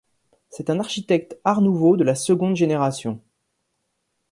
C'est un architecte art nouveau de la seconde génération.